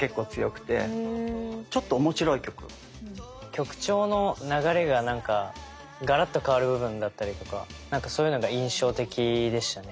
曲調の流れがなんかガラッと変わる部分だったりとかなんかそういうのが印象的でしたね。